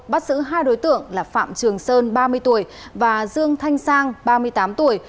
bắt giữ hai đối tượng là phạm trường sơn ba mươi tuổi và dương thanh sang ba mươi tám tuổi